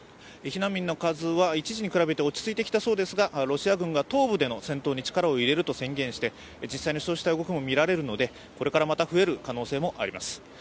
避難民の数は一時に比べて落ち着いてきたそうですが、ロシア軍が東部での戦闘に力を入れると宣言して実際にそうした動きも見られるので、これから増える可能性もあります。